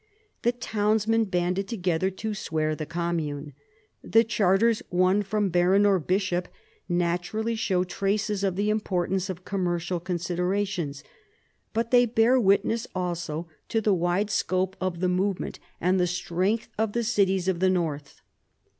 The townsmen banded together to "swear the commune." The charters won from baron or bishop naturally show traces of the importance of commercial considerations, but they bear witness also to the wide scope of the movement and the strength of the cities of the north.